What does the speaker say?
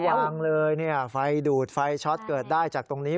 ระวังเลยนี่ไฟดูดไฟฟ้าเช็ดเกิดได้จากตรงนี้